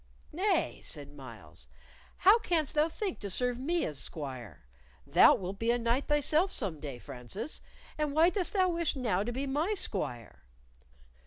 "Nay," said Myles; "how canst thou think to serve me as squire? Thou wilt be a knight thyself some day, Francis, and why dost thou wish now to be my squire?"